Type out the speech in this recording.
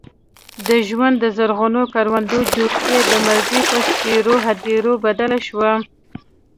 د ژوند د زرغونو کروندو جوله یې د مرګي په سپېرو هديرو بدله شوه.